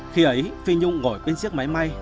khi ấy phi nhung ngồi bên chiếc máy may